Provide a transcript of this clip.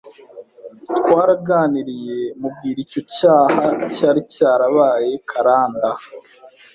Twaraganiriye mubwira icyo cyaha cyari cyarabaye karanda